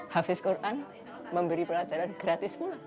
hafiz quran memberi pelajaran gratis pula